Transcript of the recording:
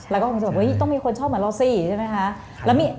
แล้วก็คงจะต้องมีคนชอบมารอซี่ใช่ไหมคะ